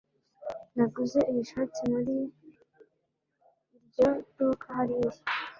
Naguze iyi shati muri iryo duka hariya.